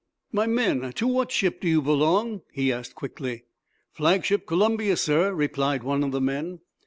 "My men, to what ship do you belong?" he asked, quickly. "Flagship 'Columbia,' sir," replied one of the men.